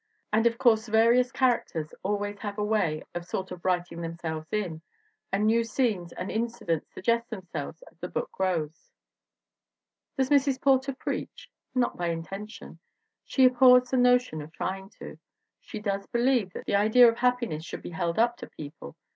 And of course various characters always have a way of sort of writing themselves in, and new scenes and in cidents suggest themselves as the book grows." Does Mrs. Porter preach? Not by intention. She abhors the notion of trying to. She does believe that "the idea of happiness should be held up to people.